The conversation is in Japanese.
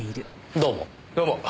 どうも。